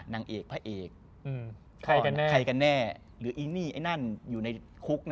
นางเอกพระเอกใครกันแน่หรืออีนี่ไอ้นั่นอยู่ในคุก